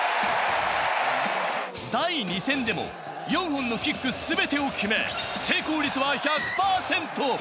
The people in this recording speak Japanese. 第２戦でも４本のキック全てを決め、成功率は１００％。